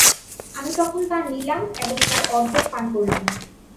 আমি তখন তা নিলাম এবং তার অর্ধেক পান করলাম।